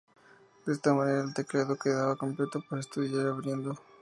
De esta manera el teclado quedaba completo para estudiar abriendo.